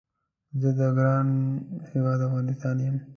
زه د ګران هیواد افغانستان یم